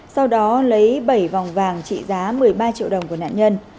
sau đó lấy bảy vòng vàng trị giá một mươi ba triệu đồng của nạn nhân